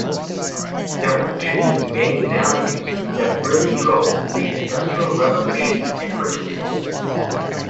There were two main values that really drove the Industrial Revolution in Britain.